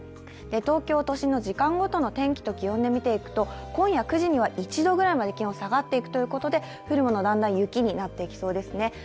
東京都心の時間ごとの天気と気温で見ていくと今夜９時には１度ぐらいまで気温が下がってくるということで、降るもの、だんだん雪になっていきそうですね。